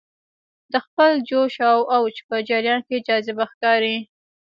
د خپل جوش او اوج په جریان کې جذابه ښکاري.